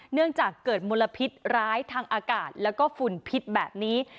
เนื่องจากเกิดมลพิษร้ายทางอากาศแล้วก็ฝุ่นพิษแบบนี้